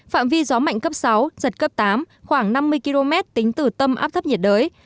phạm vi gió mạnh cấp sáu giật cấp tám khoảng năm mươi km tính từ tâm áp thấp nhiệt đới